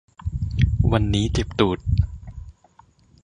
วันนี้เจ็บตูด